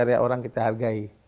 karya orang kita hargai